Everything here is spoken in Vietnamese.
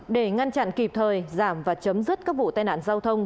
để ngăn chặn kịp thời giảm và chấm dứt các vụ tai nạn giao thông